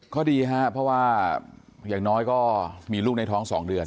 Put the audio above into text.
ก็ดีครับเพราะว่าอย่างน้อยก็มีลูกในท้อง๒เดือน